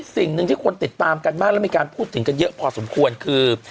สิ่งหนึ่งที่คนติดตามกันมากแล้วมีการพูดถึงกันเยอะพอสมควรคือ